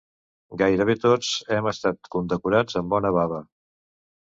Gairebé tots hem estat condecorats amb bona bava.